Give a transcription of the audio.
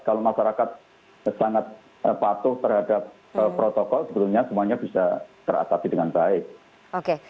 kalau masyarakat sangat patuh terhadap protokol sebetulnya semuanya bisa teratasi dengan baik